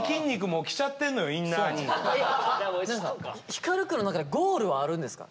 照くんの中でゴールはあるんですか？